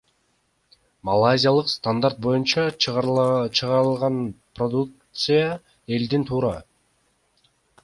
Малайзиялык стандарт боюнча чыгарылган продукция элдин туура